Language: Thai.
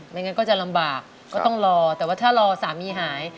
งั้นก็จะลำบากก็ต้องรอแต่ว่าถ้ารอสามีหาย